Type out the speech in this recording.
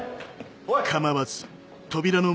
おい！